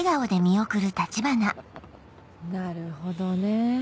なるほどね。